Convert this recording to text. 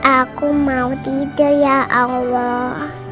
aku mau tidur ya allah